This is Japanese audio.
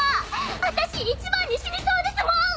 あたし一番に死にそうですもん！